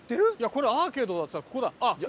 これアーケードだって言ってたからここだ。